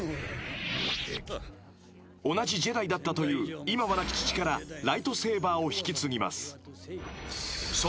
［同じジェダイだったという今は亡き父からライトセーバーを引き継ぎます］